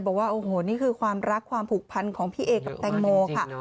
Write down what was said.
บอกว่าโอ้โหนี่คือความรักความผูกพันของพี่เอกับแตงโมค่ะ